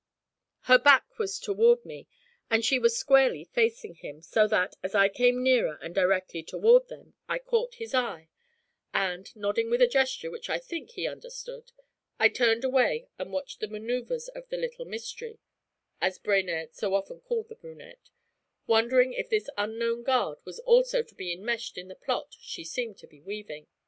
Her back was toward me, and she was squarely facing him, so that, as I came nearer and directly toward them, I caught his eye, and, nodding with a gesture which I think he understood, I turned away and watched the manoeuvres of 'the little mystery,' as Brainerd so often called the brunette, wondering if this unknown guard was also to be enmeshed in the plot she seemed to be weaving.